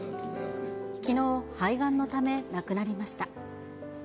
きのう、肺がんのため、亡くなりました。